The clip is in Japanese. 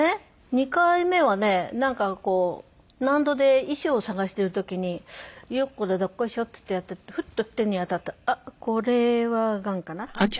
２回目はねなんかこう納戸で衣装を探している時によっこらどっこいしょっていってやってフッと手に当たったらあっこれはがんかなと。